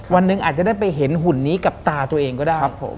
วันหนึ่งอาจจะได้ไปเห็นหุ่นนี้กับตาตัวเองก็ได้ครับผม